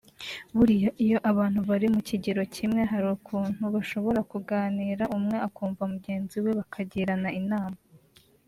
buriya iyo abantu bari mu kigero kimwe hari ukuntu bashobora kuganira umwe akumva mugenzi we bakagirana inama